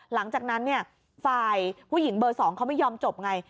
หลังจากนั้นฝ่ายผู้หญิงเบอร์๒เขาไม่ยอมจบไง